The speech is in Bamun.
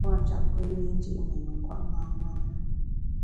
A puâ’ njap mbe yùe i ndi’ ṅi me yin kwet ṅaṅâ na.